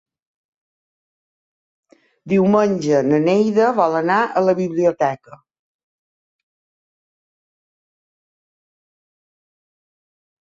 Diumenge na Neida vol anar a la biblioteca.